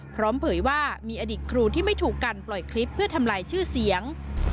เผยว่ามีอดีตครูที่ไม่ถูกกันปล่อยคลิปเพื่อทำลายชื่อเสียง